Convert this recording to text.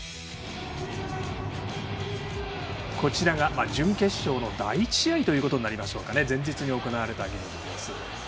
こちらが準決勝の第１試合となりましょうか前日に行われたゲームです。